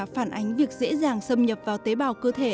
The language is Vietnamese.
phản ánh việc dễ dàng xâm nhập vào tế bào cơ thể